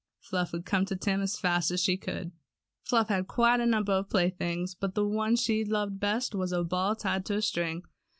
Fluff would come to Tim as fast as she could. Fluff had quite a number of playthings, but the one she loved best was a ball tied to a string.